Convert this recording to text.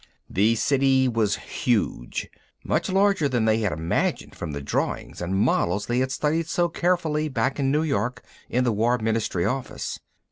The City was huge, much larger than they had imagined from the drawings and models they had studied so carefully back in New York, in the War Ministry Office.